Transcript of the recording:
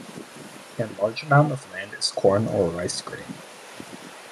And large amount of land is Corn or Rice Grain.